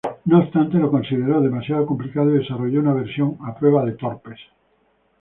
No obstante lo consideró demasiado complicado y desarrolló una versión "a prueba de torpes".